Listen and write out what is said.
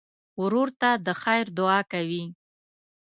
ورور ته د خیر دعا کوې.